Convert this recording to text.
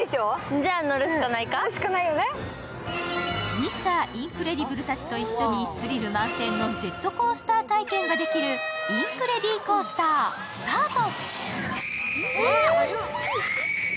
Ｍｒ．インクレディブルたちと一緒にスリル満点のジェットコースター体験ができるインクレディーコースター、スタート！